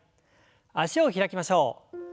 脚を開きましょう。